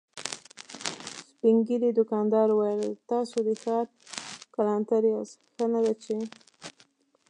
سپين ږيری دوکاندار وويل: تاسو د ښار کلانتر ياست، ښه نه ده چې…